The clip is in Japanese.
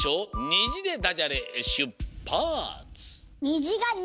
「にじ」でダジャレしゅっぱつ！